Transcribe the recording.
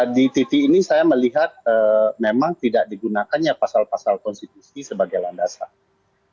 di titik ini saya melihat memang tidak digunakannya pasal pasal konstitusi sebagai landasan